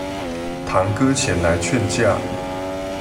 堂哥前來勸架